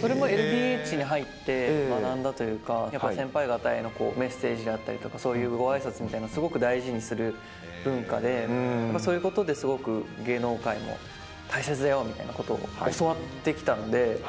これもＬＤＨに入って学んだというか、やっぱり先輩方へのメッセージだとか、そういうごあいさつみたいなの、すごく大事にする文化で、そういうことですごく芸能界で大切だよということを教わってきたんで。